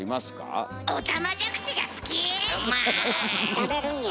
食べるんや。